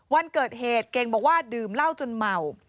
วันเกิดเหตุเก่งบอกว่าดื่มเหล้าจนเมา